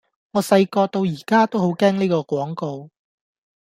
我細個到而家都好驚呢個廣告